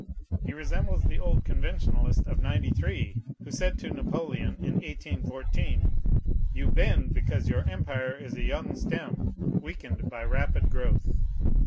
He resembles the old Conventionalist of '93, who said to Napoleon, in 1814, 'You bend because your empire is a young stem, weakened by rapid growth.